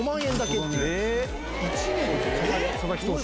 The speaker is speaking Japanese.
佐々木投手。